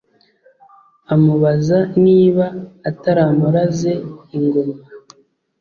amubaza niba ataramuraze ingoma ?